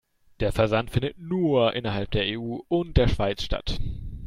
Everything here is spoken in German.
Der Versand findet nur innerhalb der EU und der Schweiz statt.